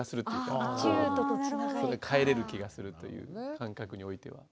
かえれる気がするという感覚においては。